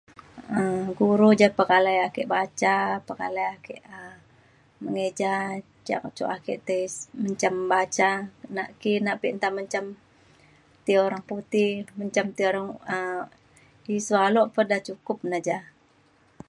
um guru ja pekalai ake baca pekalai ake um mengeja ca cuk ake ti menjam baca nak ki nak ke nta menjam ti urang putih menjam ti orang um pisiu alok pa da cukup na ja